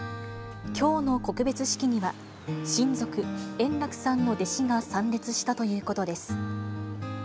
きょうの告別式には、親族、円楽さんの弟子が参列したということです。